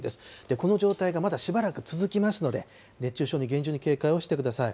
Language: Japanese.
この状態がまだしばらく続きますので、熱中症に厳重な警戒をしてください。